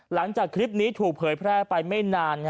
หลังจากคลิปนี้ถูกเผยแพร่ไปไม่นาน